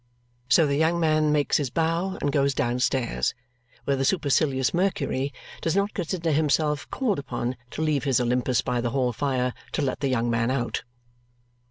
So the young man makes his bow and goes downstairs, where the supercilious Mercury does not consider himself called upon to leave his Olympus by the hall fire to let the young man out.